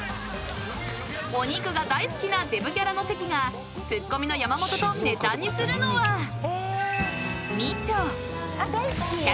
［お肉が大好きなデブキャラの関がツッコミの山本とネタにするのは美酢］